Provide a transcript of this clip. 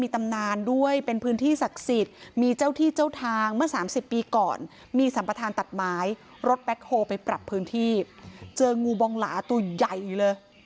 ตัดไม้รถแบคโฮล์ไปปรับพื้นที่เจองูบองหลาตัวใหญ่เลย